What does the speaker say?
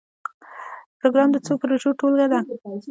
پروګرام د څو پروژو ټولګه ده